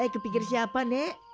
eh kepikir siapa nek